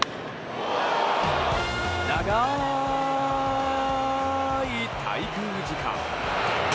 長い滞空時間。